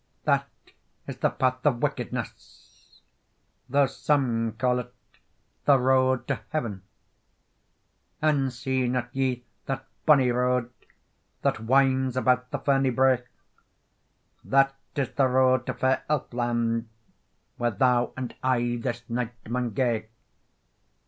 That is the path of wickedness, Tho some call it the road to heaven. "And see not ye that bonny road, That winds about the fernie brae? That is the road to fair Elfland, Where thou and I this night maun gae.